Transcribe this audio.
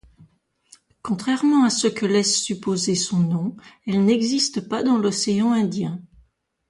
Contrairement à ce que laisse supposer son nom elle n'existe pas dans l'Océan Indien.